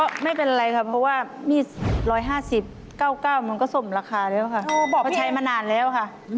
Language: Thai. โอ๊ยเบาะเพียงบอกว่าใช้มานานแล้วค่ะ